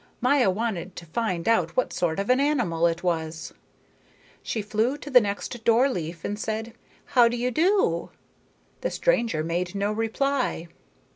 Maya wanted to find out what sort of an animal it was. She flew to the next door leaf and said how do you do. The stranger made no reply.